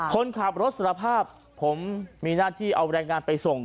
คนขับรถสารภาพผมมีหน้าที่เอาแรงงานไปส่ง